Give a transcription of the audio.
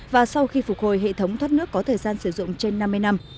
và sau khi phục hồi hệ thống thoát nước có thời gian sử dụng trên năm mươi năm